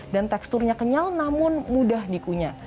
dan teksturnya kenyal namun mudah dikunyah